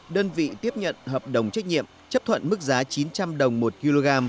đơn vị tiếp nhận hợp đồng trách nhiệm chấp thuận mức giá chín trăm linh đồng một kg